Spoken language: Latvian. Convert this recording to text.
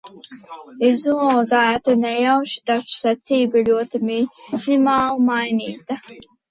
Izlozēti nejauši, taču secība ļoti minimāli mainīta.